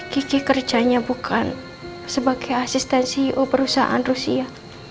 kiki kerjanya bukan sebagai asisten ceo perusahaan rusia